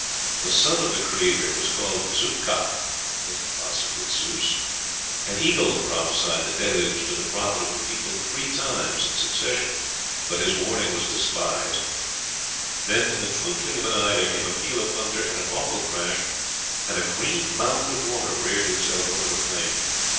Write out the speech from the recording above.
The son of the Creator was called Szeu kha (Ze us?). An eagle prophesied the deluge to the prophet of the people three times in succession, but his warning was despised; "then in the twinkling of an eye there came a peal of thunder and an awful crash, and a green mound of water reared itself over the plain.